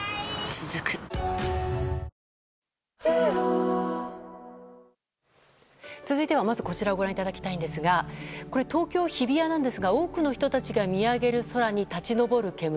続く続いては、まずこちらをご覧いただきたいんですが東京・日比谷なんですが多くの人たちが見上げる空に立ち上る煙。